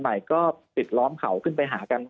ชาวบ้านช่วงที่หายไปใหม่ก็ติดล้อมเขาขึ้นไปหากัน